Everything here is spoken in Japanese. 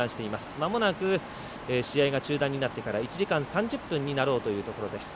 まもなく試合が中断になってから１時間３０分になろうというところです。